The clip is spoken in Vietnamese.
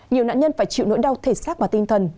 nhiều nạn nhân phải chịu nỗi đau thể xác và tinh thần